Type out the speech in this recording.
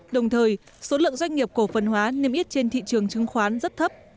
đồng thời số lượng doanh nghiệp cổ phần hóa niêm yết trên thị trường chứng khoán rất thấp